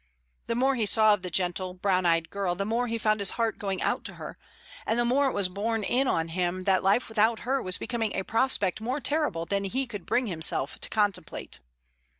The more he saw of the gentle, brown eyed girl, the more he found his heart going out to her, and the more it was borne in on him that life without her was becoming a prospect more terrible than he could bring himself to contemplate.